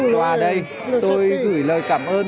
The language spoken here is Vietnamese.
hòa đây tôi gửi lời cảm ơn